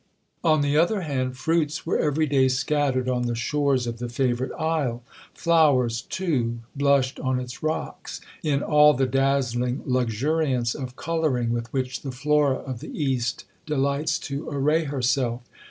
On the other hand, fruits were every day scattered on the shores of the favourite isle; flowers, too, blushed on its rocks, in all the dazzling luxuriance of colouring with which the Flora of the East delights to array herself.